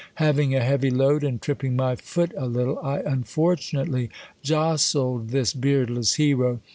Having a heavy load, and tripping my fool a little, I unfortu nately jostled this beardless hero.